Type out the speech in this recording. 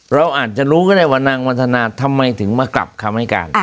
เราอาจจะรู้ก็ได้ว่านางวันธนาทำไมถึงมากลับคำให้การ